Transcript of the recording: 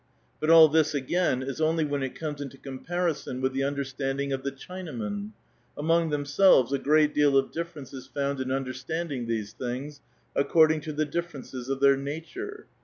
But all this, again, is only when it comes into comparison with the understand ing of the Chinamen ; among themselves a great deaf of difference is found in understanding these things, according to the differences of their nature.